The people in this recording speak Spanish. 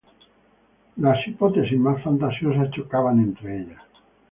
Las hipótesis más fantasiosas chocaban entre ellas.